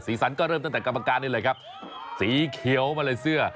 สันก็เริ่มตั้งแต่กรรมการนี่แหละครับสีเขียวมาเลยเสื้อ